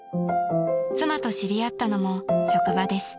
［妻と知り合ったのも職場です］